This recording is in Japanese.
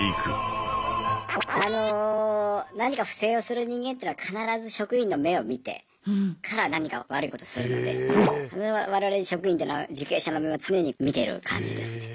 あの何か不正をする人間というのは必ず職員の目を見てから何かを悪いことするのでそれは我々職員というのは受刑者の目を常に見てる感じですね。